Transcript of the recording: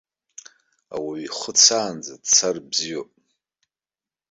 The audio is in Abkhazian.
Ауаҩы ихы цаанӡа дцар бзиоуп.